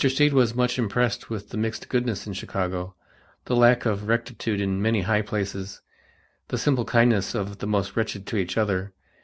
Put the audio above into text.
Stead was much impressed with the mixed goodness in Chicago, the lack of rectitude in many high places, the simple kindness of the most wretched to each other.